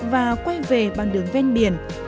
và quay về bằng đường ven biển